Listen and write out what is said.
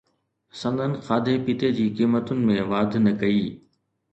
سندن کاڌي پيتي جي قيمتن ۾ واڌ نه ڪئي